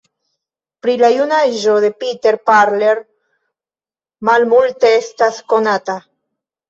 Pri la junaĝo de Peter Parler malmulte estas konata.